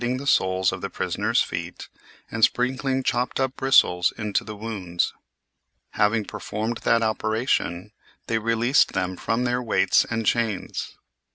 SLAVERY EXISTS AMONG US 69 the soles of the prisoners' feet and sprinkling chopped up bristles into the wounds. Having performed that operation, they released them from their weights and chains.